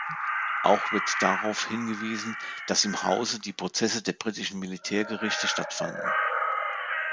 Auch wird darauf hingewiesen, dass im Hause die Prozesse der Britischen Militärgerichte stattfanden.